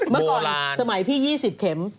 เมื่อก่อนสมัยพี่๒๐เข็ม